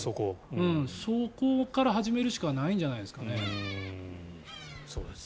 そこから始めるしかないんじゃないですかね。